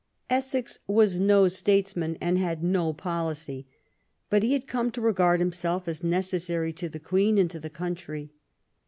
Essex was no statesman, and had no policy ; but he had come to regard himself as necessary to the Queen and to the country.